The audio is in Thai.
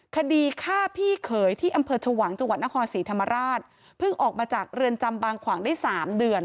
คดีฆ่าพี่เขยที่อำเภอชวางจังหวัดนครศรีธรรมราชเพิ่งออกมาจากเรือนจำบางขวางได้สามเดือน